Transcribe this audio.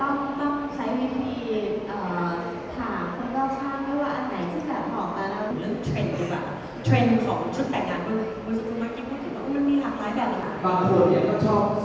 ต้องต้องใช้วิธีถามคนป้าชา